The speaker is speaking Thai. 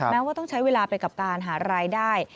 แม้ว่าต้องใช้เวลาไปกับการหารายได้